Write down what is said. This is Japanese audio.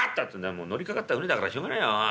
もう乗りかかった船だからしょうがねえよおい。